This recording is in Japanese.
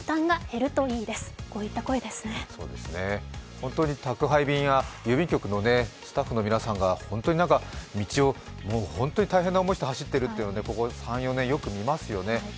本当に宅配便や郵便局のスタッフの皆さんが道を大変な思いをして走っているというのをここ３４年、よく見ますよね。